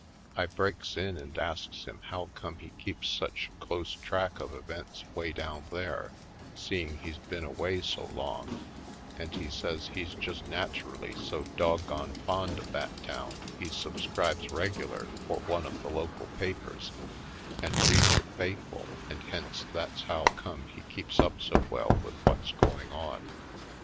I breaks in and asks him how come he keeps such close track of events 'way down there seeing he's been away so long; and he says he's just naturally so dog gone fond of that town he subscribes regular for one of the local papers and reads it faithful and hence that's how come he keeps up so well with what's going on.